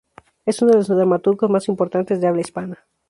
Es uno de los dramaturgos más importantes de habla hispana.